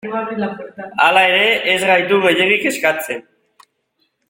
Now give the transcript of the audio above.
Hala ere, ez gaitu gehiegi kezkatzen.